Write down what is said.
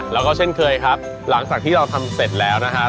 แล้วก็เช่นเคยครับหลังจากที่เราทำเสร็จแล้วนะครับ